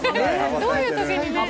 どういうときにね。